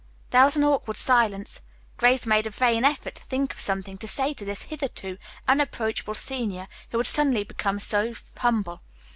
There was an awkward silence. Grace made a vain effort to think of something to say to this hitherto unapproachable senior who had suddenly become so humble.